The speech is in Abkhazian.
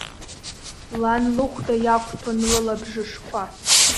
Лан лыхәда иақәҭәон лылабжышқәа.